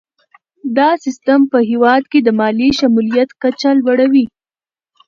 دا سیستم په هیواد کې د مالي شمولیت کچه لوړوي.